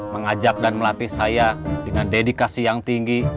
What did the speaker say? mengajak dan melatih saya dengan dedikasi yang tinggi